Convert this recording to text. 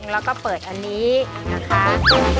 แล้วก็เปิดอันนี้นะคะ